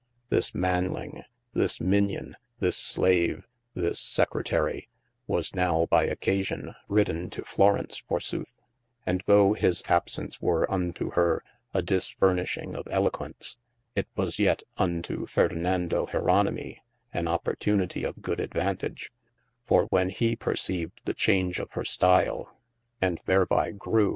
This manling, this minion, this jslaye, this secretary, was nowe by occasion rydden too Florence forsothe : and though his absence were unto hir a disfurnishing of eloquence : it was yet untoo Ferdinando yero\n~\i\rn\i an opportunitie of good advauntage : for when hee perceived the change of hir stile, and thereby grewe 392 OF MASTER F.